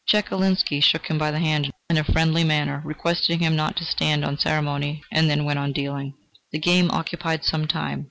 Chekalinsky shook him by the hand in a friendly manner, requested him not to stand on ceremony, and then went on dealing. The game occupied some time.